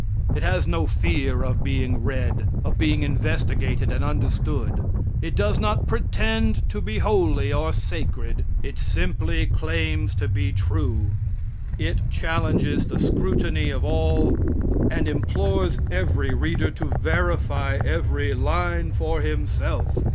It has no fear of being read, of being investigated and understood. It does not pretend to be holy or sacred; it simply claims to be true. It challenges the scrutiny of all, and implores every reader to verify every line for himself.